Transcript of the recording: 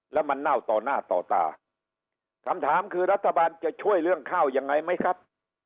แล้วมันเน่าต่อหน้าต่อตาคำถามคือรัฐบาลจะช่วยเรื่องข้าวยังไงไหมครับ